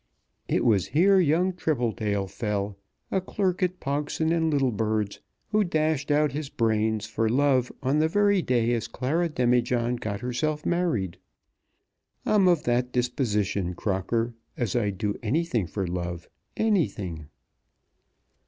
'It was here young Tribbledale fell, a clerk at Pogson and Littlebird's, who dashed out his brains for love on the very day as Clara Demijohn got herself married.' I'm of that disposition, Crocker, as I'd do anything for love; anything."